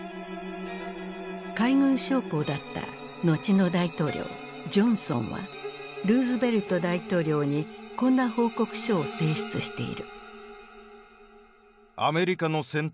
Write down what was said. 海軍将校だった後の大統領ジョンソンはルーズベルト大統領にこんな報告書を提出している。